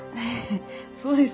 そうですよ。